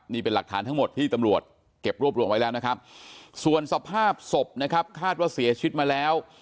นี่เป็นหลักฐานทั้งหมดที่ตำรวจเก็บรวบรวมไว้แล้วนะครับส่วนสภาพศพนะครับคาดว่าเสียชีวิตมาแล้ว